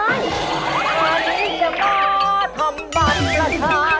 ตอนนี้จะมาทำบัตรประชาชนบ้าเหรอ